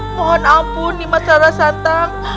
mohon ampun nih masalah santang